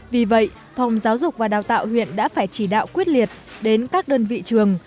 vì vậy phòng giáo dục và đào tạo huyện đã phải chỉ đạo quyết liệt đến các đơn vị trường